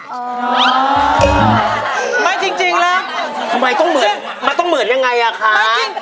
น้องขอไลน์หน่อยด้วย